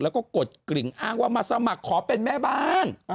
แล้วก็กดกริ่งอ้างว่ามาสมัครขอเป็นแม่บ้าน